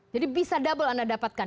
jadi bisa double anda dapatkan